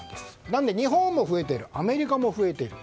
なので日本も増えているアメリカも増えている。